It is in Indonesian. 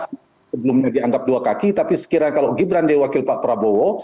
sebelumnya dianggap dua kaki tapi sekiranya kalau gibran dia wakil pak prabowo